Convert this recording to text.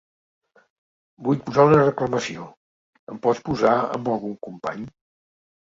Vull posar una reclamació, em pots passar amb algun company?